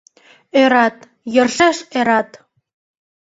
Ӧрат, йӧршеш ӧрат!